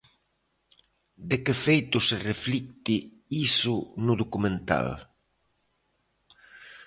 De que feito se reflicte iso no documental?